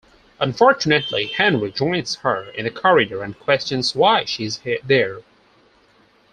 Unfortunately, Henry joins her in the corridor and questions why she is there.